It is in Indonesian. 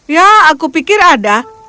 ya aku pikir ada